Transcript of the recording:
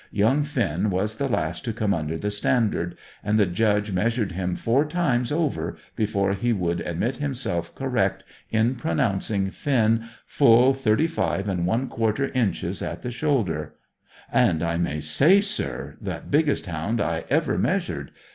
Young Finn was the last to come under the standard; and the Judge measured him four times over before he would admit himself correct in pronouncing Finn full 35 1/4 inches at the shoulder: "And I may say, sir, the biggest hound I ever measured.